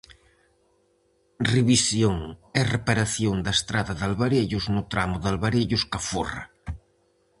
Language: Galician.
Revisión e reparación da estrada de Alvarellos, no tramo de Alvarellos - Caforra.